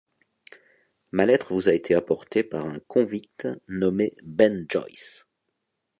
Ma lettre vous a été apportée par un convict nommé Ben Joyce.